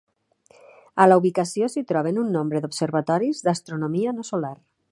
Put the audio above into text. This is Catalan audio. A la ubicació s'hi troben un nombre d'observatoris d'astronomia no solar.